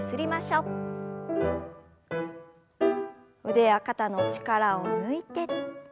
腕や肩の力を抜いて。